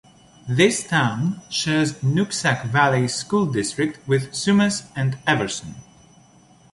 This town shares Nooksack Valley School District with Sumas and Everson.